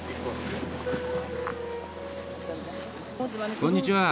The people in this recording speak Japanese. こんにちは。